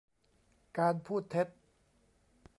การพูดเท็จ